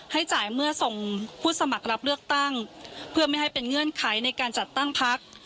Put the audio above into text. ให้จ่ายเมื่อส่งผู้สมัครรับเลือกตั้งเพื่อไม่ให้เป็นเงื่อนไขในการจัดตั้งพัก